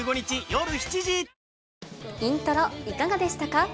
『イントロ』いかがでしたか？